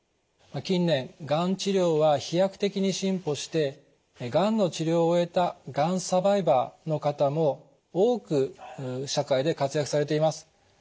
近年がん治療は飛躍的に進歩してがんの治療を終えたがんサバイバーの方も多く社会で活躍されています。